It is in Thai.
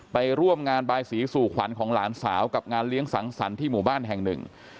ไปร่วมงานบายสีสู่ขวัญของหลานสาวกับงานเลี้ยงสังสรรค์ที่หมู่บ้านแห่งหนึ่ง